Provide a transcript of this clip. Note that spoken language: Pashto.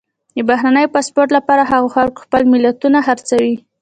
د بهرني پاسپورټ لپاره هغو خلکو خپلې ملیتونه خرڅوي.